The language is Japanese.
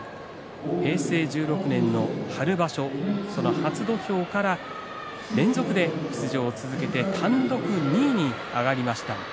平成１６年の春場所、初土俵から連続で出場を続けて単独２位に上がりました。